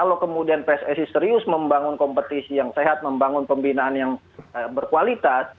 kalau kemudian pssi serius membangun kompetisi yang sehat membangun pembinaan yang berkualitas